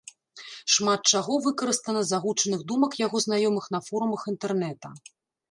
Шмат чаго выкарыстана з агучаных думак яго знаёмых на форумах інтэрнета.